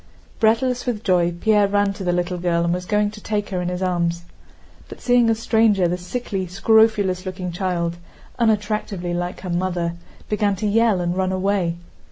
Breathless with joy, Pierre ran to the little girl and was going to take her in his arms. But seeing a stranger the sickly, scrofulous looking child, unattractively like her mother, began to yell and run away.